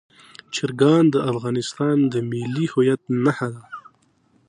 چرګان د افغانستان د ملي هویت نښه ده.